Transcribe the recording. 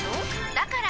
だから！